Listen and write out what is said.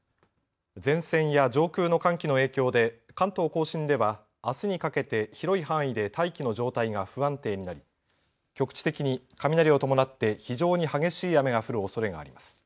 前線や上空の寒気の影響で関東甲信ではあすにかけて広い範囲で大気の状態が不安定になり局地的に雷を伴って非常に激しい雨が降るおそれがあります。